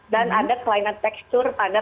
dan ada kelainan tekstur pada